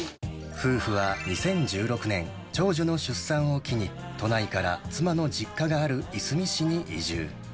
夫婦は２０１６年、長女の出産を機に、都内から妻の実家があるいすみ市に移住。